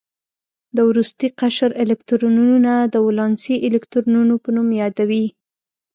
د وروستي قشر الکترونونه د ولانسي الکترونونو په نوم یادوي.